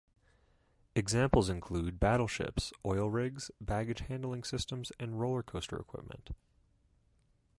Examples include battleships, oil rigs, baggage handling systems and roller coaster equipment.